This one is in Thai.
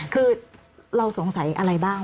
คือเราสงสัยอะไรบ้าง